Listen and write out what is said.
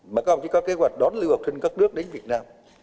mà không chỉ có kế hoạch đón lưu học sinh các nước đến việt nam